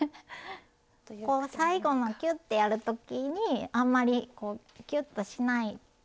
こう最後のキュッてやる時にあんまりこうキュッとしなかったら緩くできる。